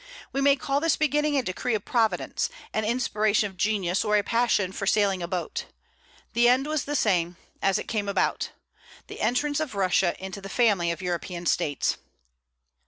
We may call this beginning a decree of Providence, an inspiration of genius, or a passion for sailing a boat; the end was the same, as it came about, the entrance of Russia into the family of European States.